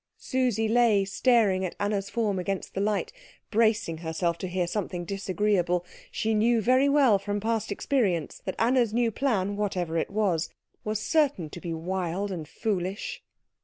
Susie lay staring at Anna's form against the light, bracing herself to hear something disagreeable. She knew very well from past experience that Anna's new plan, whatever it was, was certain to be wild and foolish.